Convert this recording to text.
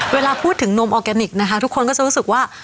เวลาพูดถึงนมออร์แกนิคนะคะทุกคนก็จะรู้สึกว่า